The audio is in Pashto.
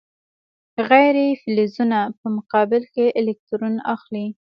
غیر فلزونه په مقابل کې الکترون اخلي.